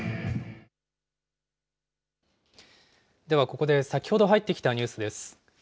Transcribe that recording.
ではここで先ほど入ってきたニュースです。